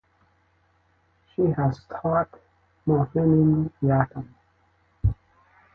She has taught Mohiniyattam.